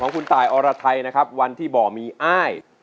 คุณตายอรไทยนะครับวันที่บ่อมีอ้าย